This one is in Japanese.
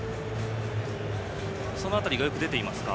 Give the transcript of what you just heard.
その辺りがよく出ていますか。